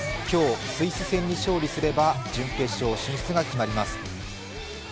今日、スイス戦に勝利すれば準決勝進出が決まります。